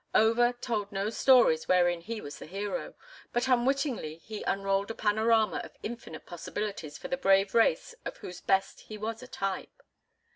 Over told no stories wherein he was the hero, but unwittingly he unrolled a panorama of infinite possibilities for the brave race of whose best he was a type.